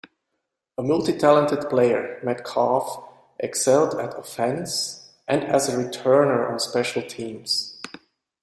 A multi-talented player, Metcalf excelled at offense and as a returner on special teams.